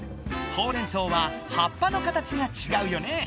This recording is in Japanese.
ほうれんそうははっぱの形がちがうよね。